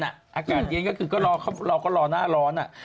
อากาศเย็นก็คือก็รอหน้าร้อน